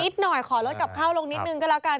หน่อยขอลดกับข้าวลงนิดนึงก็แล้วกัน